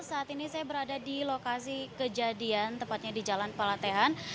saat ini saya berada di lokasi kejadian tepatnya di jalan palatehan